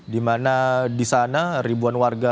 dimana disana ribuan warga